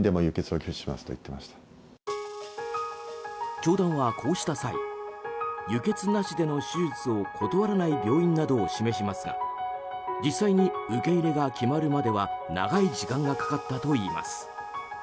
教団はこうした際輸血なしでの手術を断らない病院などを示しますが実際に受け入れが決まるまでは長い時間がかかったといいます。